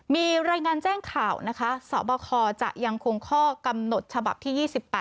มีรายงานแจ้งข่าวนะคะสบคจะยังคงข้อกำหนดฉบับที่๒๘